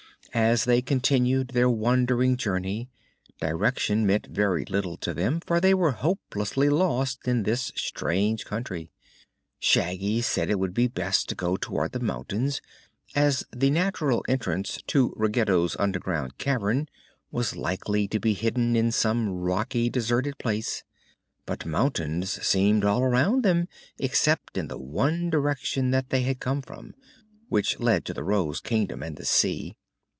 As they continued their wandering journey, direction meant very little to them, for they were hopelessly lost in this strange country. Shaggy said it would be best to go toward the mountains, as the natural entrance to Ruggedo's underground cavern was likely to be hidden in some rocky, deserted place; but mountains seemed all around them except in the one direction that they had come from, which led to the Rose Kingdom and the sea.